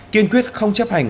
kiên quyết không chấp hành